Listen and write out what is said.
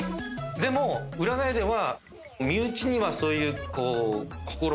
でも占いでは。